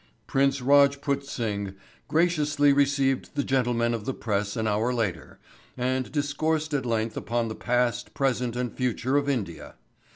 Prince Rajput Singh graciously received the gentlemen of the press an hour later and discoursed at length upon the past, present and future of India.